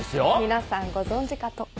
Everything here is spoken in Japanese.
皆さんご存じかと。